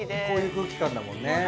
こういう空気感だもんね。